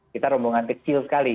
kita rombongan kecil sekali